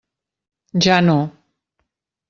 Ja no.